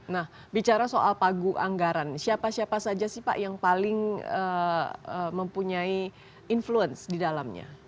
nah bicara soal pagu anggaran siapa siapa saja sih pak yang paling mempunyai influence di dalamnya